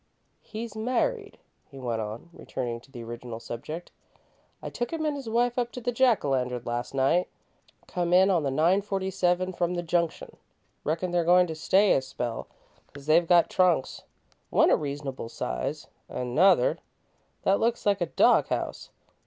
"He's married," he went on, returning to the original subject. "I took him an' his wife up to the Jack o' Lantern last night. Come in on the nine forty seven from the Junction. Reckon they're goin' to stay a spell, 'cause they've got trunks one of a reasonable size, an' 'nother that looks like a dog house.